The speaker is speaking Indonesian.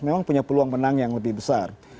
memang punya peluang menang yang lebih besar